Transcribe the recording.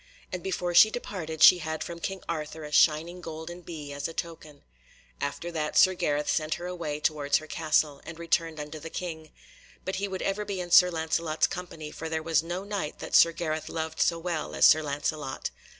And before she departed she had from King Arthur a shining golden bee, as a token. After that Sir Gareth set her on her way towards her castle, and returned unto the King. But he would ever be in Sir Lancelot's company, for there was no Knight that Sir Gareth loved so well as Sir Lancelot.